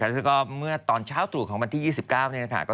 ซึ่งก็เมื่อตอนเช้าตลุของบันที่๒๙นี่นะคะ